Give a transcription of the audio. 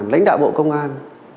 lãnh đạo bộ công an